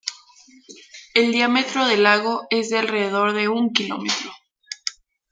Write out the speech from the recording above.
El diámetro del lago es de alrededor de un kilómetro.